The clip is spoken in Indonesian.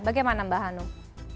bagaimana mbak hanum